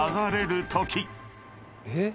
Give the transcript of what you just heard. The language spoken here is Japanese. えっ？